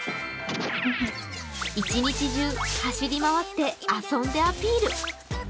一日中走り回って遊んでアピール。